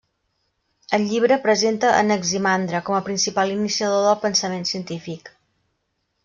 El llibre presenta Anaximandre com a principal iniciador del pensament científic.